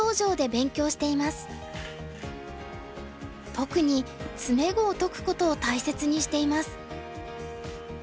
特に詰碁を解くことを大切にしています。